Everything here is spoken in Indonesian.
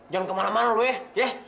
jangan kemana mana lo ya